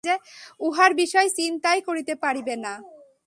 উহার বিষয় চিন্তাই করিতে পারিবে না।